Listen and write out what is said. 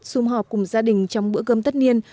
xung họp cùng gia đình trong bữa cơm tất niên